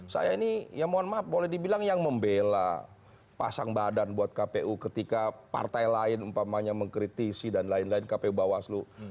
saya ini ya mohon maaf boleh dibilang yang membela pasang badan buat kpu ketika partai lain umpamanya mengkritisi dan lain lain kpu bawaslu